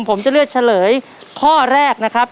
ผมจะเลือกเฉลยข้อแรกนะครับ